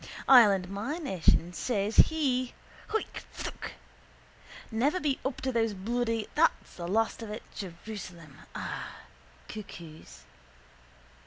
Ireland my nation says he (hoik! phthook!) never be up to those bloody (there's the last of it) Jerusalem ah! cuckoos.